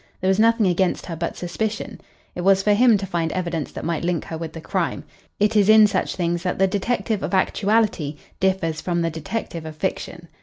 There was nothing against her but suspicion. It was for him to find evidence that might link her with the crime. It is in such things that the detective of actuality differs from the detective of fiction.